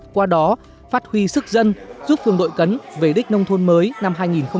qua đó phát huy sức dân giúp phường đội cấn về đích nông thôn mới năm hai nghìn một mươi tám